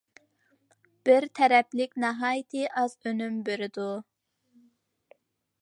بىر تەرەپلىمىلىك ناھايىتى ئاز ئۈنۈم بېرىدۇ.